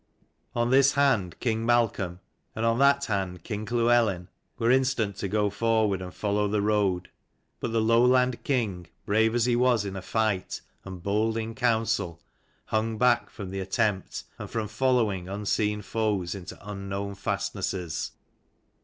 On this hand king Malcolm, and on that hand king Llewelyn, were instant to go forward and follow the road: but the Lowland king, brave as he was in fight and bold in counsel, hung back from the attempt and from following unseen foes into unknown fastnesses.